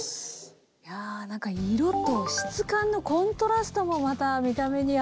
いや何か色と質感のコントラストもまた見た目に新しいですね。